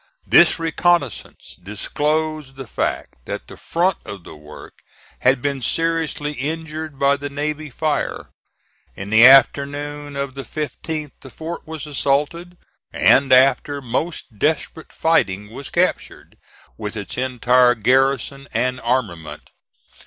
This reconnoissance disclosed the fact that the front of the work had been seriously injured by the navy fire. In the afternoon of the 15th the fort was assaulted, and after most desperate fighting was captured, with its entire garrison and armament.